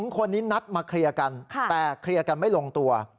๒คนนี้นัดมาเคลียร์กันแต่เคลียร์กันไม่ลงตัว